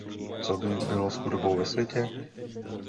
Co by bylo s chudobou ve světě?